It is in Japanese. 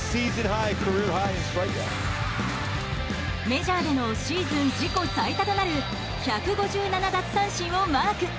メジャーでのシーズン自己最多となる１５７奪三振をマーク。